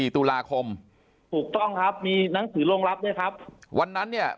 ตุลาคมถูกต้องครับมีหนังสือโรงรับด้วยครับวันนั้นเนี่ย